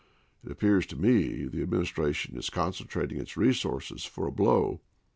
It appears to me the Administration is concentrating its resources for a blow.